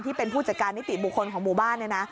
ที่เป็นผู้จัดการนิติบุคคลของหมู่บ้านเนี่ยนะ